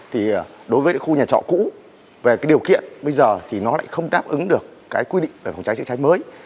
thì đối với khu nhà trọ cũ về điều kiện bây giờ thì nó lại không đáp ứng được quy định về phòng cháy chất cháy mới